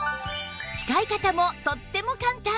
使い方もとっても簡単